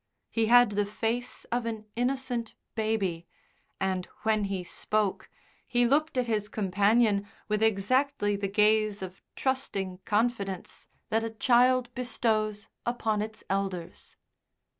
He had the face of an innocent baby, and when he spoke he looked at his companion with exactly the gaze of trusting confidence that a child bestows upon its elders.